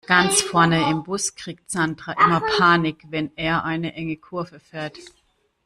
Ganz vorne im Bus kriegt Sandra immer Panik, wenn er eine enge Kurve fährt.